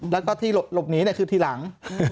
แล้วก็ที่หลบหนีคือทีหลัง